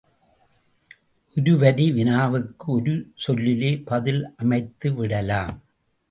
ஒரு வரி வினாவுக்கு ஒரு சொல்லிலே பதில் அமைத்து விடலாம்.